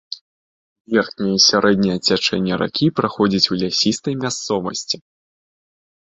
Верхняе і сярэдняе цячэнне ракі праходзіць ў лясістай мясцовасці.